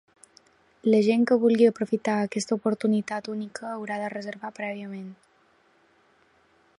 La gent que vulgui aprofitar aquesta oportunitat única haurà de reservar prèviament.